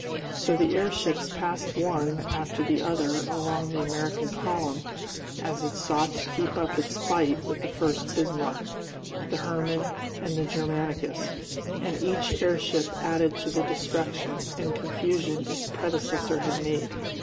So the airships passed one after the other along the American column as it sought to keep up its fight with the Furst Bismarck, the Hermann, and the Germanicus, and each airship added to the destruction and confusion its predecessor had made.